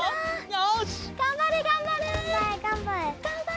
よし！